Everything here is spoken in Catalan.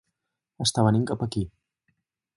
Està venint cap aquí.